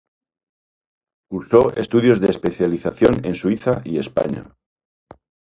Cursó estudios de Especialización en Suiza y España.